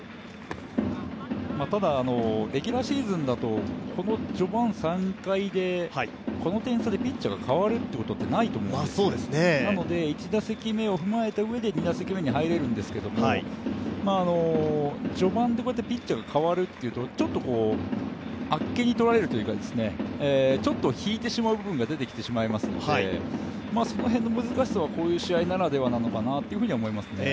ただ、レギュラーシーズンだと、この序盤３回でこの点差でピッチャーが代わるということってないと思いますのでなので１打席目を踏まえたうえで、２打席目には入れるんですけど序盤でこうやってピッチャーが代わるというとちょっとあっけにとられるというかちょっと引いてしまう部分が出てきてしまいますので、その辺の難しさは、こういう試合ならではなのかなと思いますね。